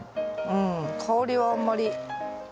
うん香りはあんまり。